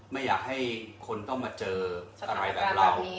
ไม่อยากให้คนต้องมาเจออะไรแบบเรา